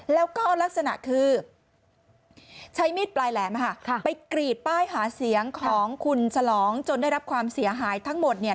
แล้วก็ลักษณะคือใช้มีดปลายแหลมไปกรีดป้ายหาเสียงของคุณฉลองจนได้รับความเสียหายทั้งหมด